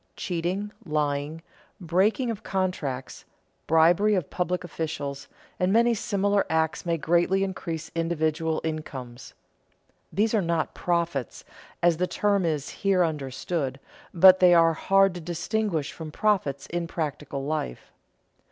_ Cheating, lying, breaking of contracts, bribery of public officials, and many similar acts may greatly increase individual incomes. These are not profits, as the term is here understood, but they are hard to distinguish from profits in practical life.